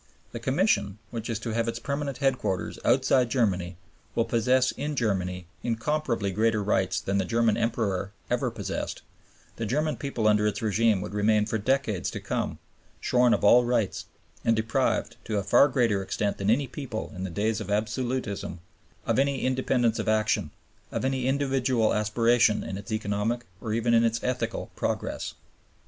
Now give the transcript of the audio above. The Commission, which is to have its permanent headquarters outside Germany, will possess in Germany incomparably greater rights than the German Emperor ever possessed, the German people under its rÈgime would remain for decades to come shorn of all rights, and deprived, to a far greater extent than any people in the days of absolutism, of any independence of action, of any individual aspiration in its economic or even in its ethical progress."